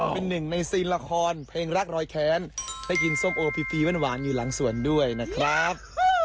เป็นหนึ่งในซีนละครเพลงรักรอยแค้นได้กินส้มโอพรีหวานอยู่หลังสวนด้วยนะครับ